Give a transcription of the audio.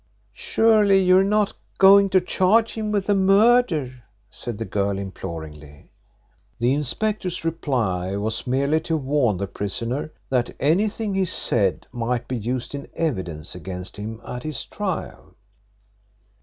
"Surely you are not going to charge him with the murder?" said the girl imploringly. The inspector's reply was merely to warn the prisoner that anything he said might be used in evidence against him at his trial.